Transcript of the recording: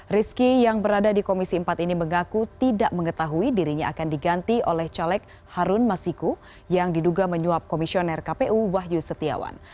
rizky yang berada di komisi empat ini mengaku tidak mengetahui dirinya akan diganti oleh caleg harun masiku yang diduga menyuap komisioner kpu wahyu setiawan